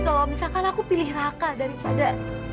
kalo abis itu kan aku pilih raka daripada